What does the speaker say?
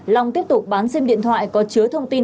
long tiếp tục bán xem điện thoại có chứa thông tin